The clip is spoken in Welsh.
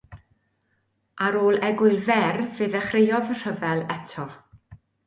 Ond ar ôl egwyl fer fe ddechreuodd rhyfel eto.